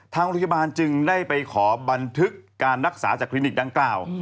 ทางโรงพยาบาลจึงได้ไปขอบันทึกการรักษาจากคลินิกดังกล่าว